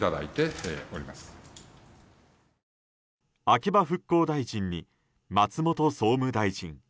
秋葉復興大臣に松本総務大臣。